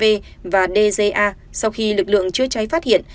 cháu dga sau khi lực lượng chưa cháy phát hiện